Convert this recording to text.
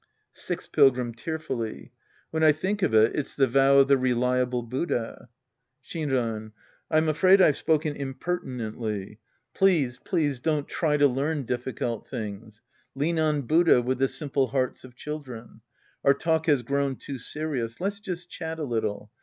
Sixth Pilgrim {tearfully). When I think of it, it's the vow of the reliable Buddha. Shinran. I'm afraid I've spoken impfertinently. Please, please, don't tiy to learn difficult things. Lean on Buddha with the simple hearts of children. Our talk has grown too serious. Let's just chat a little.